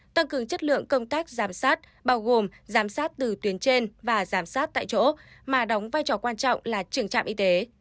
tăng cường chất lượng công tác giám sát bao gồm giám sát từ tuyến trên và giám sát tại chỗ mà đóng vai trò quan trọng là trưởng trạm y tế